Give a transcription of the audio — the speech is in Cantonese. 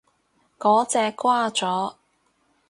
嗰隻掛咗